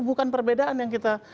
bukan perbedaan yang kita